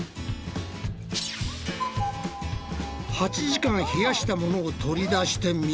８時間冷やしたものを取り出してみると。